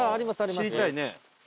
知りたいね。